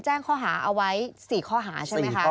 แจ้งข้อหาเอาไว้๔ข้อหาใช่มั้ยครับ